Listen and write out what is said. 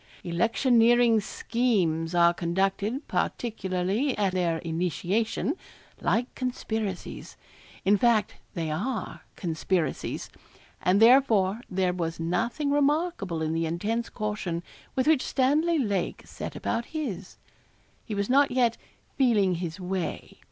Electioneering schemes are conducted, particularly at their initiation, like conspiracies in fact, they are conspiracies, and therefore there was nothing remarkable in the intense caution with which Stanley Lake set about his. He was not yet 'feeling his way.'